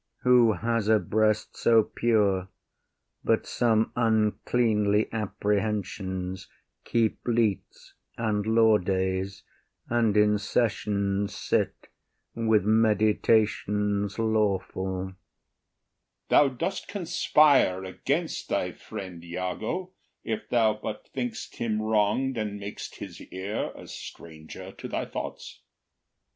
Who has a breast so pure But some uncleanly apprehensions Keep leets and law days, and in session sit With meditations lawful? OTHELLO. Thou dost conspire against thy friend, Iago, If thou but think’st him wrong’d and mak’st his ear A stranger to thy thoughts.